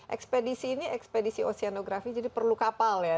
ekspedisi ini ekspedisi oseanografi jadi perlu kapal ya